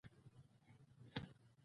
ځغاسته د قوت زیږنده ده